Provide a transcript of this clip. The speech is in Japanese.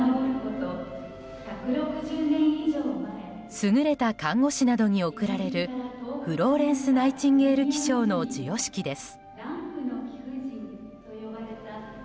優れた看護師などに贈られるフローレンス・ナイチンゲール記章の授与式です。